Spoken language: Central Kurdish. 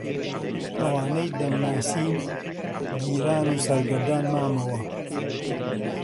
ئەوانەی دەمناسین گیران و سەرگەردان مامەوە